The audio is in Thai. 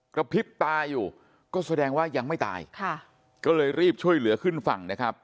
กระพริบตาอยู่ก็แสดงว่ายังไม่ตายค่ะก็เลยรีบช่วยเหลือขึ้นฝั่งนะครับ